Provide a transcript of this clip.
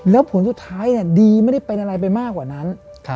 แล้วผลสุดท้ายดีไม่ได้เป็นอะไรไปมากกว่านั้น